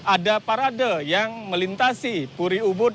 ada parade yang melintasi puri ubud